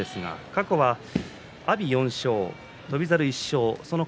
過去は阿炎４勝、翔猿１勝。